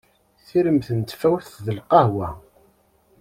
Tirmt n tfawt d lqhwa.